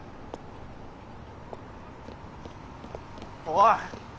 おい！